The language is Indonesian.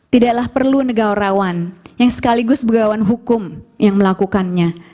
tidaklah perlu negara rawan yang sekaligus pegawai hukum yang melakukannya